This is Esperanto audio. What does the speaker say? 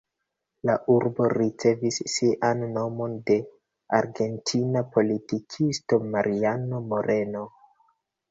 La urbo ricevis sian nomon de argentina politikisto Mariano Moreno.